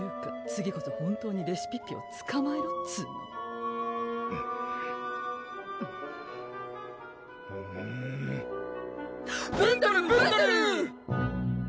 次こそ本当にレシピッピをつかまえろっつうのブンドルブンドルー！